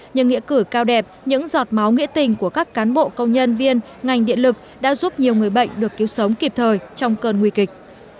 nhưng nghĩa cử cao đẹp những giọt máu nghĩa tình của các cán bộ công nhân viên ngành điện lực đã giúp nhiều người bệnh được cứu sống kịp thời trong cơn nguy kịch